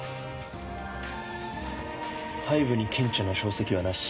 背部に顕著な証跡はなし。